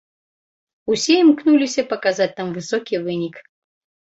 Усе імкнуліся паказаць там высокі вынік.